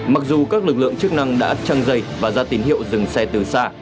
mặc dù các lực lượng chức năng đã trăng dây và ra tín hiệu dừng xe từ xa